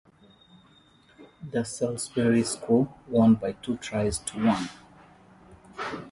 The Salisbury school won by two tries to one.